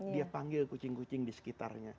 dia panggil kucing kucing di sekitarnya